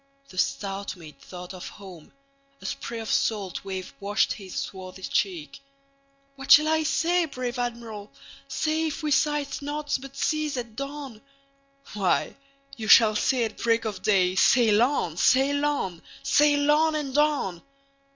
The stout mate thought of home; a sprayOf salt wave washed his swarthy cheek."What shall I say, brave Admiral, say, If we sight naught but seas at dawn?""Why, you shall say at break of day,'Sail on! sail on! sail on! and on!